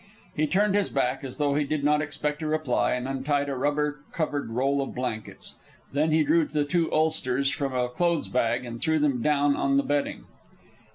He turned his back, as though he did not expect a reply, and untied a rubber covered roll of blankets. Then he drew the two ulsters from a clothes bag and threw them down on the bedding.